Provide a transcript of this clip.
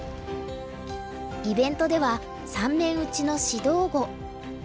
イベントでは３面打ちの指導碁。